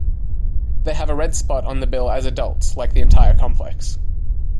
They have a red spot on the bill as adults, like the entire complex.